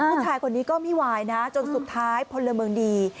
ผู้ชายคนนี้ก็ไม่วายนะจนสุดท้ายพลเมืองดี